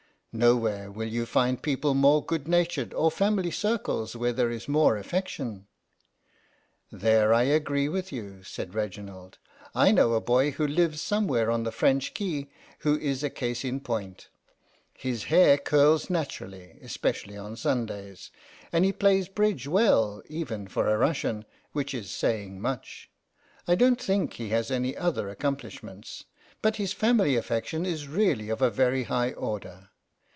Nowhere will you find people more good natured, or family circles where there is more affection." " There I agree with you," said Reginald. " I know a boy who lives somewhere on the French Quay who is a case in point. His hair curls naturally, especially on Sundays, and he plays bridge well, even for a Russian, which is saying much. I don't think he has any other accomplishments, but his family affection is really of a very high order.